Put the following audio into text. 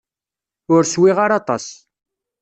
Ur swiɣ ara aṭas.